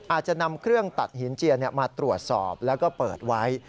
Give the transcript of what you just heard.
อาจจะนำเครื่องตัดหินเจียนมาตรวจสอบแล้วก็เปิดไว้